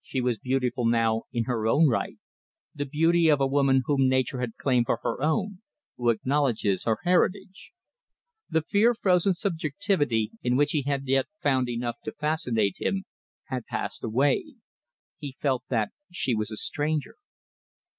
She was beautiful now in her own right, the beauty of a woman whom nature has claimed for her own, who acknowledges her heritage. The fear frozen subjectivity in which he had yet found enough to fascinate him had passed away. He felt that she was a stranger.